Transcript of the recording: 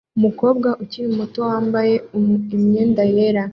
Umukobwa ukiri muto wambaye imyenda yera